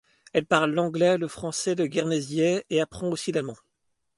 Elle parle l'anglais, le français, le guernesiais et apprend aussi l'allemand.